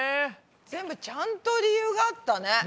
全部ちゃんと理由があったね。ね。